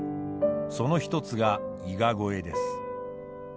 その一つが伊賀越えです。